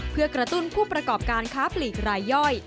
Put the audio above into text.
เพื่อกระตุ้นผู้ประกอบการค้าปลีกรายย่อย